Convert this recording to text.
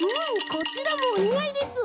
こちらもおにあいです！